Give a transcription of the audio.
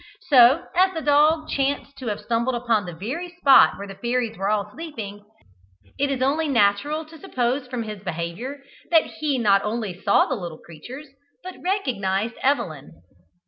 So as the dog chanced to have stumbled upon the very spot where the fairies were all sleeping, it is only natural to suppose from his behaviour that he not only saw the little creatures, but recognised Evelyn.